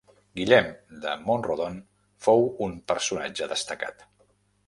Guillem de Mont-rodon, fou un personatge destacat.